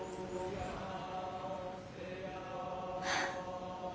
・はあ。